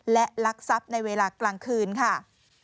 และลักทรัพย์ในเวลากลางคืนค่ะ